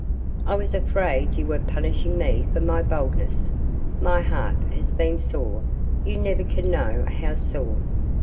"I was afraid you were punishing me for my boldness. My heart has been sore you never can know how sore.